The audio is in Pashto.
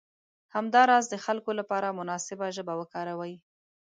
همداراز د خلکو لپاره مناسبه ژبه وکاروئ.